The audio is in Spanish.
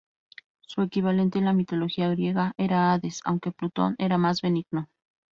Su equivalente en la mitología griega era Hades, aunque Plutón era más benigno.